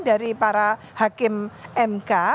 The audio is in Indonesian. dari para hakim mk